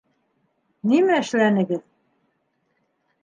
- Нимә эшләнегеҙ?